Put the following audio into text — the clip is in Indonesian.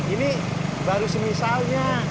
ini baru semisalnya